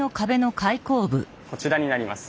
こちらになります。